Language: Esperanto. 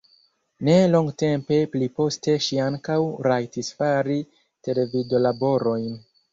Ne longtempe pliposte ŝi ankaŭ rajtis fari televidolaborojn.